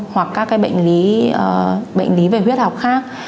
hoặc các cái bệnh lý về huyết học khác